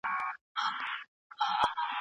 ایا بهرني سوداګر بادام پلوري؟